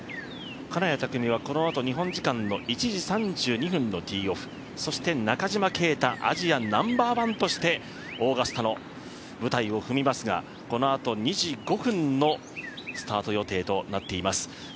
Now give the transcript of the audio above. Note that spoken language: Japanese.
金谷拓実は日本時間１時３２分のティーオフそして中島啓太、アジアナンバーワンとしてオーガスタの舞台を踏みますがこのあと、２時５分のスタート予定となっています。